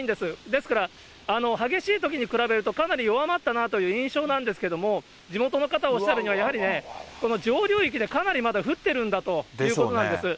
ですから、激しいときに比べるとかなり弱まったなという印象なんですけれども、地元の方おっしゃるには、やはりね、この上流域でかなりまだ降ってるんだということなんです。